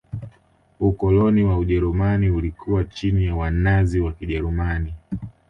ukoloni wa ujerumani ulikuwa chini ya wanazi wa kijerumani